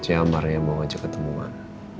si amar ya mau ngajak ketemuan